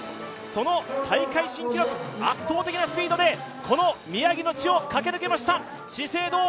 その大会新記録、圧倒的なスピードでこの宮城の地を駆け抜けました資生堂！